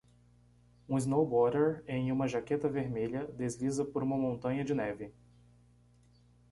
Um snowboarder em uma jaqueta vermelha desliza por uma montanha de neve.